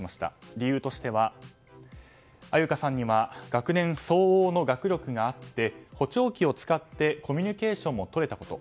理由としては安優香さんには学年相応の学力があって補聴器を使ってコミュニケーションもとれたこと。